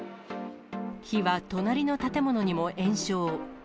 火は隣の建物にも延焼。